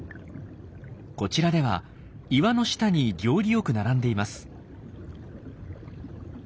こちらでは岩の下に行儀よく並んでいます。